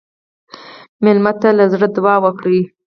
مېلمه ته له زړه دعا وکړئ.